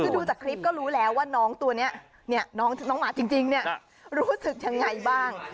คือดูจากคลิปก็รู้แล้วว่าน้องตัวนี้น้องหมาจริงรู้สึกยังไงบ้าง